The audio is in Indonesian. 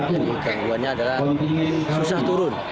jadi gangguannya adalah susah turun